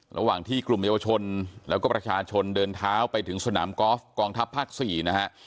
ระหว่างที่กลุ่มเยาวชนแล้วก็ประชาชนเดินเท้าไปถึงสนามกอล์ฟกองทัพภาค๔นะฮะ